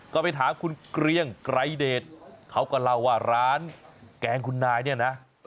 ก็ไปถามคุณเกรียงไกรเดชเขาก็เล่าว่าร้านแกงคุณนายเนี่ยนะ